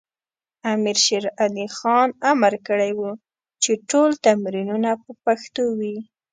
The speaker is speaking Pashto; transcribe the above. امیر شیر علی خان امر کړی و چې ټول تمرینونه په پښتو وي.